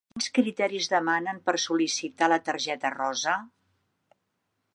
Quins criteris demanen per sol·licitar la targeta rosa?